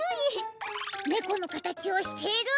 ねこのかたちをしている！